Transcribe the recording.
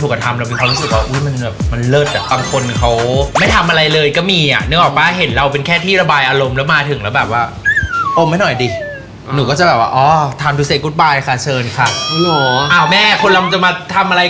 เขาจะแทบไม่ทำอะไรเลยอ่าถูกปะล่ะเหมือนคนหล่อมันชอบไม่ทำอะไร